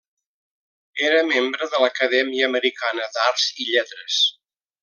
Era membre de l'Acadèmia Americana d'Arts i Lletres.